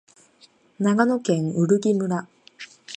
長野県売木村